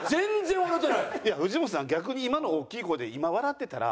藤本さん逆に今の大きい声で今笑ってたら。